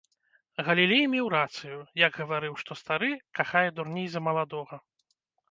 Галілей меў рацыю, як гаварыў, што стары кахае дурней за маладога.